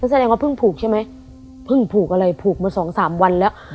แสดงว่าเพิ่งผูกใช่ไหมเพิ่งผูกอะไรผูกมาสองสามวันแล้ว